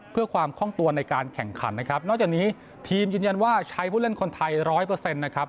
เพื่อความคล่องตัวในการแข่งขันนะครับนอกจากนี้ทีมยืนยันว่าใช้ผู้เล่นคนไทยร้อยเปอร์เซ็นต์นะครับ